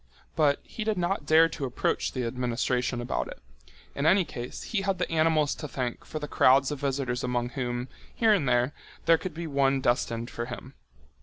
But he did not dare to approach the administration about it. In any case, he had the animals to thank for the crowds of visitors among whom, here and there, there could be one destined for him.